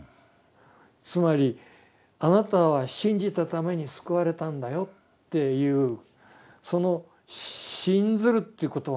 つまりあなたは信じたために救われたんだよっていうその「信ずる」という言葉